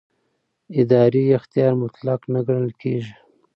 اداري اختیار مطلق نه ګڼل کېږي.